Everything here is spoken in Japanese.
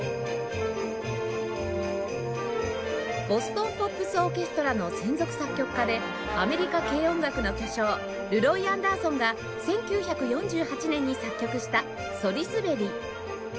ボストン・ポップス・オーケストラの専属作曲家でアメリカ軽音楽の巨匠ルロイ・アンダーソンが１９４８年に作曲した『そりすべり』